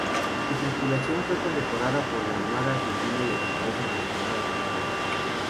Su tripulación fue condecorada por la Armada Argentina y el Congreso Nacional Argentino.